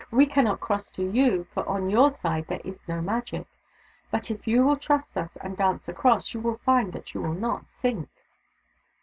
We cannot cross to you, for on your side there is no Magic. But if you will trust us, and dance across, you will find that you will not sink."